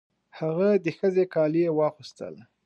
هغه د ښځې کالي یې واغوستل.